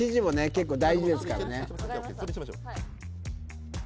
結構大事ですからね